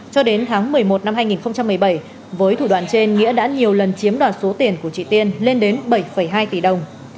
cho đến tháng một mươi một năm hai nghìn một mươi bảy với thủ đoạn trên nghĩa đã nhiều lần chiếm đoạt số tiền của chị tiên lên đến bảy hai tỷ đồng